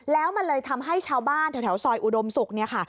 แล้วมันเลยทำให้ชาวบ้านแถวซอยอุดมศุกร์เนี่ยค่ะ